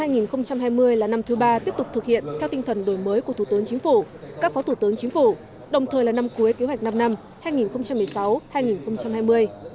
năm hai nghìn hai mươi là năm thứ ba tiếp tục thực hiện theo tinh thần đổi mới của thủ tướng chính phủ các phó thủ tướng chính phủ đồng thời là năm cuối kế hoạch năm năm hai nghìn một mươi sáu hai nghìn hai mươi